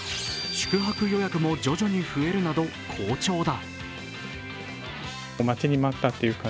宿泊予約も徐々に増えるなど好調だ。